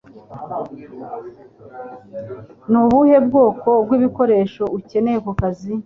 Ni ubuhe bwoko bw'ibikoresho ukeneye ku kazi?